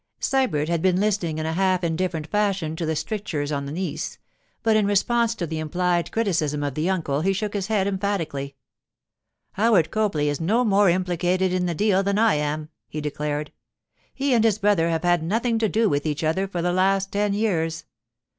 Sybert had been listening in a half indifferent fashion to the strictures on the niece, but in response to the implied criticism of the uncle he shook his head emphatically. 'Howard Copley is no more implicated in the deal than I am,' he declared. 'He and his brother have had nothing to do with each other for the last ten years.